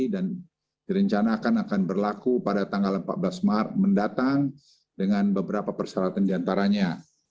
dan direncanakan akan berlaku pada tanggal empat belas maret mendatang dengan beberapa persyaratan diantaranya